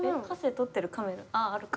撮ってるカメラああるか。